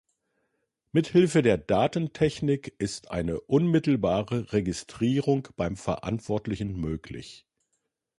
Mit Hilfe der Datentechnik ist eine unmittelbare Registrierung beim Verantwortlichen möglich.